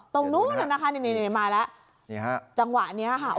ตรงนู้นนะคะนี่มาแล้วจังหวะนี้ค่ะ